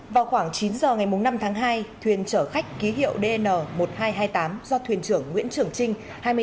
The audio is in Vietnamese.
vào khoảng chín giờ ngày năm tháng hai thuyền chở khách ký hiệu dn một nghìn hai trăm hai mươi tám do thuyền trưởng nguyễn trường trinh